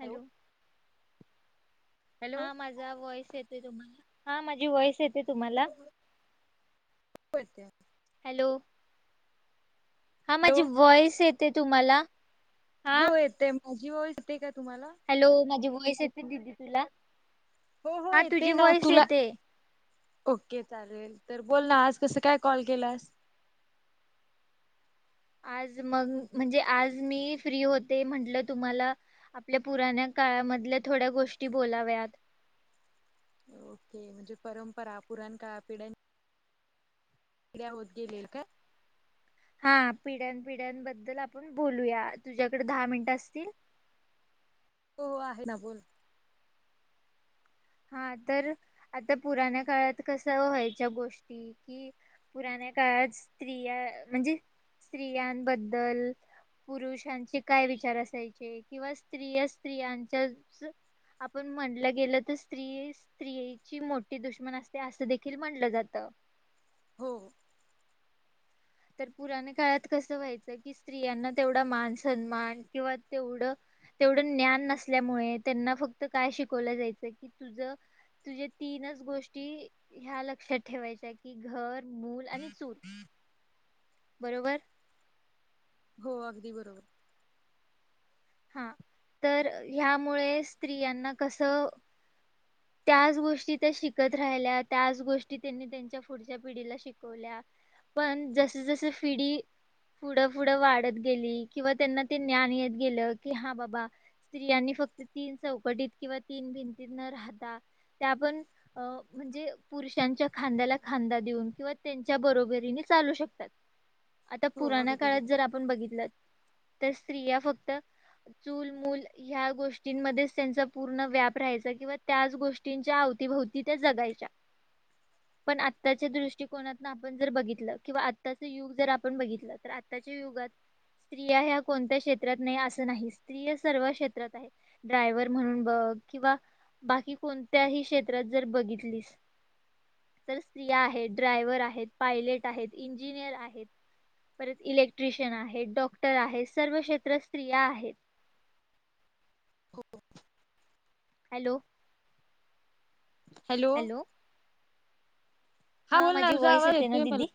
Hello hello हा माझा voice येतोय तुम्हाला? हा माझी वॉइस येत [unintelligible] हॅलो हा हॅलो माझी वॉइस येते तुम्हाला? हा हो येते, माझी वॉईस येते का तुम्हाला? हॅलो माझी वॉईस येते दिदी तुला? हो हो हा तुझी येते ना व्हॉइस तुला? येते. ओके चालेल तर बोल, आज कसं काय कॉल केलास? आज मग म्हणजे आज मी फ्री होते म्हंटलं तुम्हाला आपल्या पुराण्या काळामधल्या थोड्या गोष्टी बोलाव्यात. ओके म्हणजे परंपरा पुराणकाळ पिढ्यां पिढ्या होत गेले काय? हा पिढ्या पिढ्यांबद्दल आपण बोलूया तुझ्याकडे दहा मिनिट असतील, हो, आहे ना बोल. हां तर, आता पुराण्या काळांत कसं व्हायच्या गोष्टी की पुराण्या काळात स्त्रिया, म्हणजे स्त्रियांबद्दल पुरुषांचे काय विचार असायचे, किंवा स्त्रिया स्त्रियांच्याच आपण म्हणल गेल तस स्त्री, स्त्रियेची मोठी दुश्मन असते अस देखील म्हटल जात. हो. तर पुराने काळात कस व्हायच, की स्त्रियांना तेवढा मान सन्मान, किंवा तेवढ तेवढ ज्ञान नसल्यामुळे त्यांना फक्त काय शिकवल जायच की तुझ तुझ्या तीनच गोष्टी ह्या लक्षात ठेवायच्या की घर, मूल आणि चूल. बरोबर? हो अगदी बरोबर. हां, तर ह्यामुळे स्त्रियांना कस त्याच गोष्टी त्या शिकत राहिल्या, त्याच गोष्टी त्यांनी त्यांच्या पुढच्या पिढीला शिक, [unintelligible] पण जस जस पिढी पुढ पुढ वाढत गेली, किंवा त्यांना ते ज्ञान येत गेल, की हा बाबा स्त्रियांनी फक्त तीन चौकटीत किंवा तीन भिंतीत न राहता. त्या पण अं, म्हणजे पुरुषांच्या खांद्याला खांदा देऊन किंवा त्यांच्या बरोबरीने चालू शकतात. आता हो पुराणा अगदी काळात बरोबर जर आपण बघितल, तर स्त्रिया फक्त चूल, मूल ह्या गोष्टींमध्येच त्यांचा पूर्ण व्याप राहायचा किंवा त्याच गोष्टींच्या आवतीभवती त्या जगायच्या. [inaudible] पण आत्ताच्या दृष्टीकोनातन आपण जर बघितल किंवा आत्ताच युग जर आपण बघितल तर आत्ताच्या युगात स्त्रिया ह्या कोणत्या क्षेत्रात नाही आस नाहीस, स्त्रिया सर्व क्षेत्रात आहेत ड्रायव्हर म्हणून बघ किंवा बाकी कोणत्याही क्षेत्रात जर बघितलीस तर स्त्रिया आहेत, ड्रायव्हर आहेत, पायलेट आहेत, इंजिनियर आहेत. परत इलेक्ट्रिशन आहेत, डॉक्टर आहेत, सर्व क्षेत्रात स्त्रिया आहेत. हो हॅलो हॅलो हां हा बोल ना माझी तुझा व्हॉइस आवाज येते ना येतोय दिदी मला,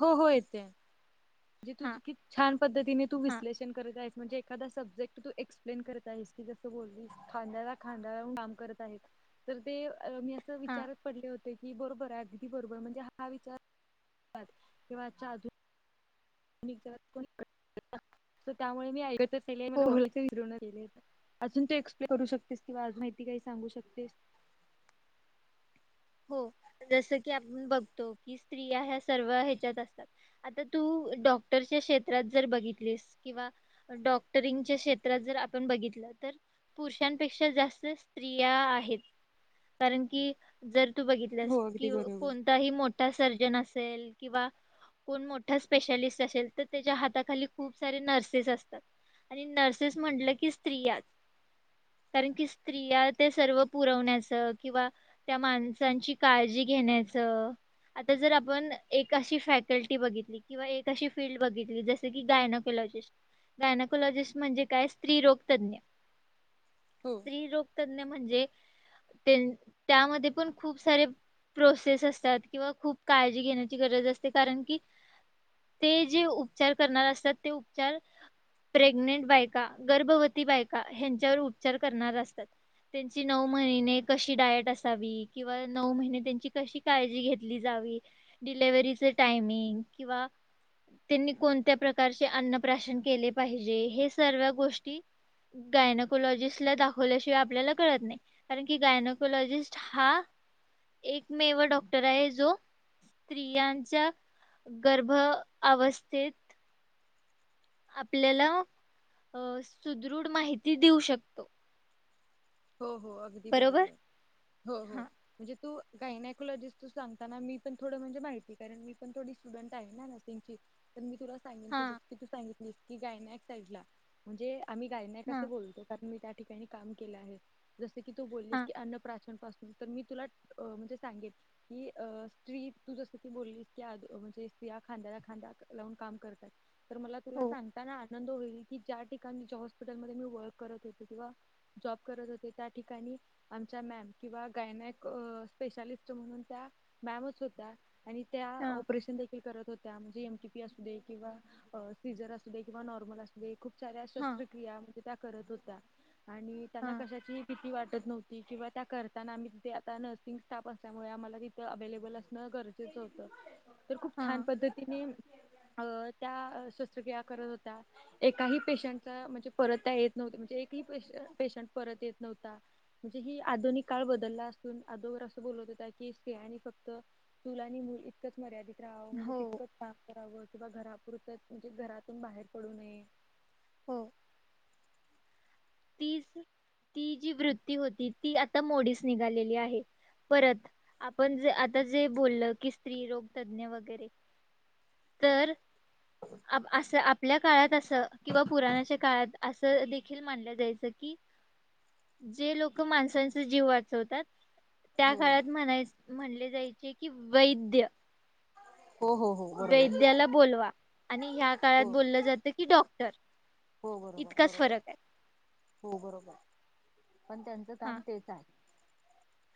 हो, हो येतोय. म्हणजे, तू हा कीती छान पद्धतीने तू हा विश्लेषण करत आहेस. म्हणजे एखादा सब्जेक्ट तू एक्सप्लेन करत आहेस की, जस बोललीस खांद्याला खांद्या लावून काम करत आहेत. तर ते मी अस हा विचारत पडले होते की, बरोबर आहे अगदी बरोबर म्हणजे हां विचार, किंवा आजच्या आधुनिक पद्ध [unintelligible] त्यामुळे मी हो [unintelligible] अजून ते एक्सप्लेन करू शकतेस किंवा अजून माहिती काही सांगू शकतेस? हो जस की आपण बघतो की स्त्रिया ह्या सर्व ह्याच्यात असतात. आता तू, डॉक्टरच्या क्षेत्रात जर बघितलीस किंवा डॉक्टरिंगच्या क्षेत्रात जर आपण बघितल तर पुरुषांपेक्षा जास्त स्त्रिया आहेत, कारण की जर तू बघितलस हो अगदी की बरोबर कोणताही मोठा सर्जन असेल किंवा कोण मोठा स्पेशालिस्ट असेल, तर त्याच्या हाताखाली खूप सारे नर्सेस असतात. आणि नर्सेस म्हंटल की स्त्रियाच. कारण की स्त्रिया ते सर्व पुरवण्याच किंवा त्या माणसांची काळजी घेण्याच. आता जर आपण, एक अशी फॅटल्टी बघितली, किंवा एक अशी फील्ड बघितली, जसं जसं की गायनाकोलॉजिस्ट, गायनाकोलॉजिस्ट म्हणजे काय स्त्रीरोग तज्ञ हो. स्त्री रोग तज्ञ म्हणजे, तेनं-त्यामध्ये पण खूप सारे प्रोसेस असतात, किंवा खूप काळजी घेण्याची गरज असते, कारण की ते जे उपचार करणार असत्यात ते उपचार प्रेग्नेंट बायका, गर्भवती बायका ह्यांच्यावर उपचार करणार असतात. त्यांची नऊ महिने कशी डायट अस आसावी, किंवा नऊ महिने त्यांची कशी काळजी घेतली जावी डिलेवरीच टायमिंग किंवा त्यांनी कोणत्या प्रकारचे अन्नप्राशन केले पाहिजे हे सर्व गोष्टी गायनाकोलॉजिस्ट ला दाखवल्याशिवाय आपल्याला कळत नाही, कारण की गायनाकोलॉजिस्ट हा, एकमेव डॉक्टर आहे जो स्त्रियांच्या, गर्भ अवस्थेत आपल्याला अ, सुदृढ माहिती देऊ शकतो. हो हो अगदी बरोबर, हो हो. हां म्हणजे तू गायनायकोलॉजिस्ट तू सांगताना मी पण थोडं म्हणजे माहिती करेण, मी पण थोडी स्टुडंट आहे ना त्यात तेंच की, तर मी तुला सांगिन की जी, हां की तू सांगितली की गायनॅक साईडला, म्हणजे आम्ही गायनॅक हां असं बोलतो कारण मी त्या ठिकाणी काम केलं आहे, जसं की तू बोललीस हां की अन्नप्राशन पासून तर मी तुला, अ म्हणजे सांगेन कि अ, स्त्री तू जसं की बोललीस की म्हणजे स्त्रिया खांद्याला खांदा लावून काम करतायेत. तर मला तुला हो सांगताना आनंद आनंद होईल की ज्या ठिकाणी हॉस्पिटल मी वर्क करत होते, किंवा जॉब करत होते त्या ठिकाणी, आमच्या मॅम, किंवा काय गायनॅक स्पेशालिस्ट म्हणून त्या मॅमच होत्या, आणि त्या हां ऑपरेशन थे ते करत होत्या, म्हणजे एमटीपी असू दे, किंवा सीझर असू दे, किंवा नॉर्मल असू दे, खूप साऱ्या हां शस्त्रक्रिया म्हणजे त्या करत होत्या, आणि त्यांना हां कशाची ही भिती वाटत नव्हती, किंवा त्या करताना आम्ही तिथे, आता नर्सिंग स्टाफ असल्यामुळे आम्हाला तिथं अवेलेबल असणं गरजेचं होतं, तर खूप छान हां पद्धतीने अ, त्या शस्त्रक्रिया करत होत्या. एकाही पेशंटचा म्हणजे परत त्या येत नव्हतं, म्हणजे एकही पेशंट परत येत नव्हता. म्हणजे ही आधुनिक काळ बदलला असून, अदोगर असं बोलत होत्या की स्त्रियानी फक्त चूल आणि मुल तितकंच मर्यादित राहावं, म्हणजे हो तितकंच काम करावं किंवा घरापुरतंच म्हणजे घरातून बाहेर पडू नये. हो. तीस, ती जी वृत्ती होती ती आता मोडीस निघालेली आहे. परत, आपण ज आता जे बोललं, की स्त्री रोग तज्ञ वगैरे तर आप-असं, आपल्या काळात असं, किंवा पुराणाच्या काळात असं देखील मानलं जायचं की, जे लोक माणसांचा जीव वाचवतात त्या हो काळात म्हणाय, म्हणले जायचे कि वैद्य. हो हो हो. बरोबर वैद्याला बोलवा, आणि ह्या काळात हो बोललं जातं कि डॉक्टर हो बरोबर इतकाच बरोबर फरक आहे. हो बरोबर, पण त्यांच हा काम तेच हाय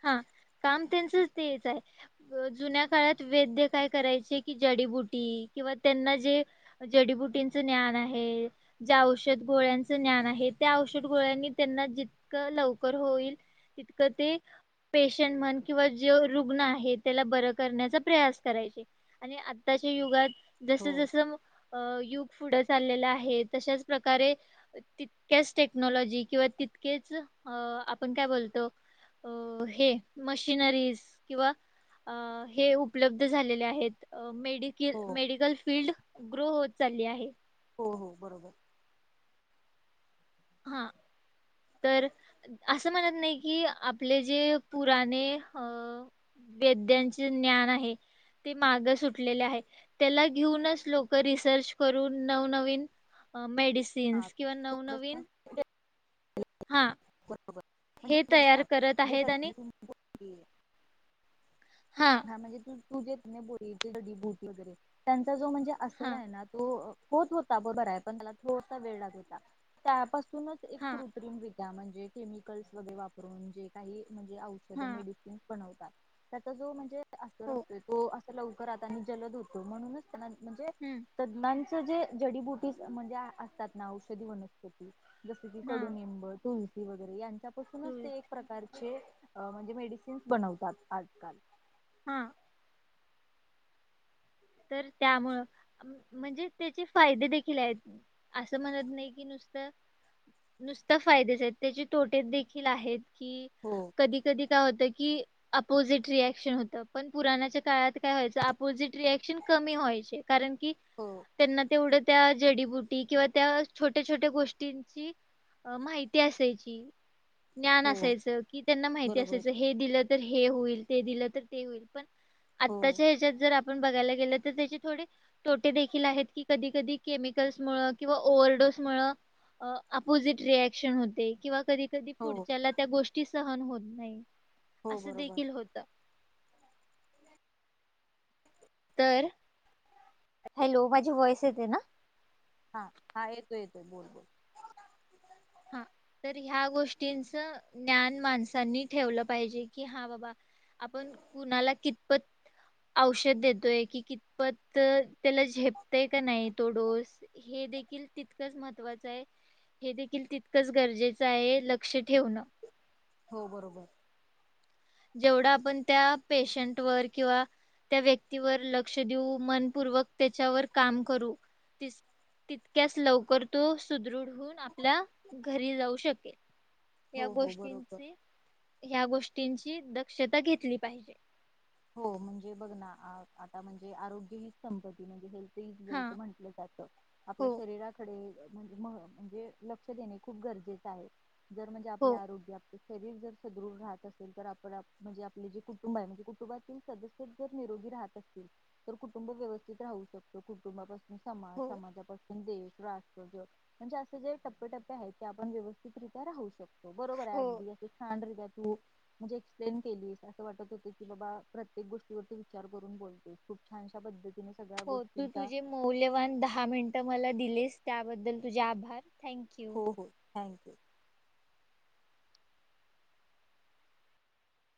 हा, काम त्येनचं तेच हाय अ जुन्या काळात वैद्य काय करायचे कि जडीबुटी किंवा त्यांना जे जडीबुटींचं ज्ञान आहे. ज्या औषध गोळ्यांचं ज्ञान आहे, त्या औषध गोळ्यांनी त्यांना जितकं लवकर होईल तितकं ते पेशंट म्हण किंवा जो रुग्ण आहे त्याला बरं करण्याचा प्रयास करायचे. आणि आत्ताच्या युगात हो जसं जसं अ युग पुढं चाललेलं आहे तशाच प्रकारे तितक्याच टेक्नॉलॉजी किंवा तितकेच आपण काय बोलतो अ हे मशिनरीज किंवा हे उपलब्ध झालेले आहेत. मेडिकील मेडिकल फिल्ड ग्रो होत चालली आहे हो हो बरोबर हां तर असं म्हणत नाही कि आपले जे पुराने अ वेद्यांचे ज्ञान आहे. ते माग सुटलेले आहे, त्येला घेऊनच लोकं रिसर्च करून नवनवीन अ हा मेडिसिन्स किंवा नवनवीन हा [unintelligible] हे तयार करत आहेत आणि [unintelligible] हा म्हणजे तू, तू जे तिने बोलीडी भूत वगैरे त्यांचा जो म्हणजे असर हा आहे ना तो होत होता बरोबर हाय पण त्याला थोडसा वेळ लागत होता त्यापासूनच एक हा कृत्रिम विक त्या म्हणजे केमिकल्स वगैरे वापरून, जे काही म्हणजे औषध हा मेडिसिन त्याचा जो म्हणजे अस हो असतो तो अस लवकर आता जलद होतो, म्हणूनच त्यांना म्हणजे हम्म. तज्ञांचं जे जडीबुटीस म्हणजे असतात ना औषधी वनस्पती जस की हा कडुनिंब तुळसी वगैरे यांच्यापासूनच तू- ते एक प्रकारचे म्हणजे मेडिसिन्स बनवतात आजकाल हां तर त्यामुळं म्हणजे त्याचे फायदे देखील आहेत असं म्हणत नाही कि नुसतं नुसतं फायदेच आहेत त्याचे तोटे देखील आहेत कि हो कधी कधी काय होतं की अपोजिट रिएक्शन होत, पण पुराणाच्या काळात काय व्हायचं अपोजिट रिए शीन कमी व्हायचे कारण की हो त्यांना तेवढं त्या जडीबुटी किंवा त्या छोट्या- छोट्या गोष्टींची अ माहिती असायची. ज्ञान हो असायचं, कि त्यांना माहिती बरोबर असायचं हे दिलं तर हे होईल ते दिलं तर ते होईल पण, हो आत्ताच्या ह्याच्यात जर आपण बघायला गेलं तर त्येची थोडी तोटे देखील आहेत की, कधी कधी केमिकल्स मुळं किंवा ओव्हरडोस मुळं अपोजिट रिऍक्शन होते किंवा कधी कधी हो पुढच्याला त्या गोष्टी सहन होत नाहीत हो असं बरोबर देखील होतं तर हॅलो माझी वॉइस येते ना. हा हा येतोय येतोय बोल बोल हा तर ह्या गोष्टींचं ज्ञान माणसांनी ठेवलं पाहिजे की हा बाबा आपण कुणाला कितपत औषध देतोय की कितपत त्याला झेपतय का नाही तो डोस हे देखील तितकंच महत्वाचं आहे हे देखी तितकंच गरजेचं आहे लक्ष ठेवणं. हो बरोबर जेवढा आपण त्या पेशंट वर किंवा त्या व्यक्तीवर लक्ष देऊ मनपूर्वक त्याच्यावर काम करू. तितक्याच लवकर तो सुदृढ होऊन आपल्या घरी जाऊ शकेल. या हो हो बरोबर गोष्टींची ह गोष्टींची दक्षता घेतली पाहिजे. हो म्हणजे बघ ना आता म्हणजे आरोग्य हीच संपत्ती म्हणजे हेल्थ तेच हा हेल्थ म्हंटलं जात. हो आपल्या शरीराकडे म्हणजे मग लक्ष देणे खूप गरजेचं आहे. जर म्हणजे हो आपल्या आरोग्या शरीर जर सदृढ राहत असेल तर आपण म्हणजे आपले जे कुटुंब आहे म्हणजे कुटुंबात तेच सदस्य जर निरोगी राहत असतील तर कुटुंब व्यवस्थित राहू शकतो कुटुंबापासून. समाज हो समाजापासून देश राष्ट्र म्हणजे असे जे टप्पे टप्पे आहेत ते आपण व्यवस्थितरित्या राहायचं. बरोबर आहे हो. अगदी अस छान रित्या तू म्हणजे एक्सप्लेन केलीस असं वाटत होत की बाबा प्रत्येक गोष्टीवरती विचार करून बोलतोय खूप छानशा पद्धती हो तू तुझे मौल्यवान दहा मिनटं मला दिलेस त्याबद्दल तुझे आभार थँक्यू. हो हो थँक्यू.